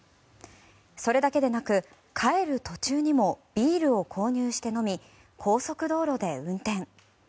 それだけでなく帰る途中にもビールを購入して飲み高速道路で運転。